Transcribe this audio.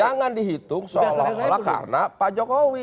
jangan dihitung seolah olah karena pak jokowi